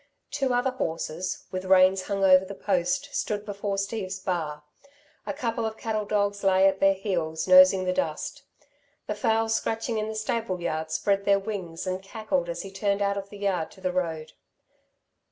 Two other horses, with reins hung over the post, stood before Steve's bar; a couple of cattle dogs lay at their heels nosing the dust. The fowls scratching in the stable yard spread their wings and cackled as he turned out of the yard to the road.